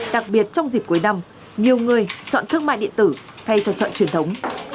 đặc biệt trong dịp cuối năm nhiều người chọn thương mại điện tử thay cho chợ truyền thống